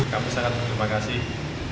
kami sangat berterima kasih